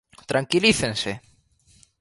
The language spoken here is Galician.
¡Tranquilícense!